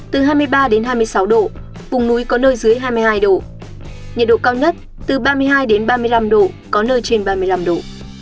từ hai mươi ba đến hai mươi sáu độ vùng núi có nơi dưới hai mươi hai độ nhiệt độ cao nhất từ ba mươi hai ba mươi năm độ có nơi trên ba mươi năm độ